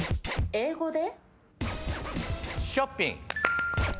英語で？